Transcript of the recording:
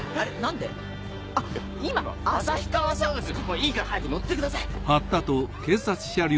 いいから早く乗ってください。